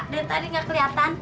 dia tadi gak keliatan